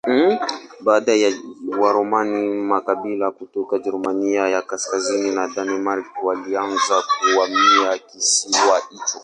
Baada ya Waroma makabila kutoka Ujerumani ya kaskazini na Denmark walianza kuvamia kisiwa hicho.